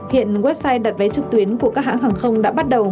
hiện website đặt vé trực tuyến của các hãng hàng không đã bắt đầu